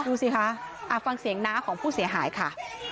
ดูสิคะฟังเสียงน้าของผู้เสียหายค่ะ